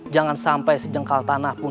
jangan sampai sejengkal tanah pun